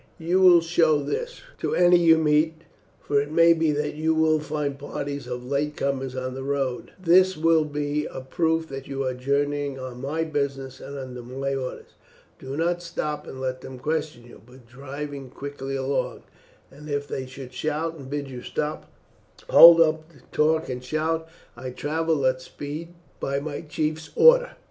"You will show this, Runoc, to any you meet, for it may be that you will find parties of late comers on the road. This will be a proof that you are journeying on my business and under my orders. Do not stop and let them question you, but drive quickly along, and if they should shout and bid you stop, hold up the torque and shout, 'I travel at speed by my chief's orders.'